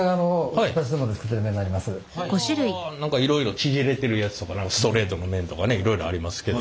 はあ何かいろいろ縮れてるやつとかストレートの麺とかねいろいろありますけど。